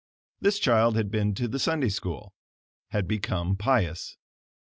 This child had been to the Sunday School had become pious.